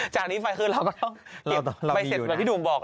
จากนี้ไปคือเราก็ต้องเก็บไปเสร็จเหมือนที่ดูมบอก